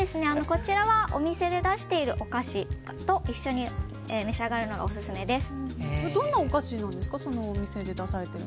こちらはお店で出しているお菓子と一緒に召し上がるのがオススメです。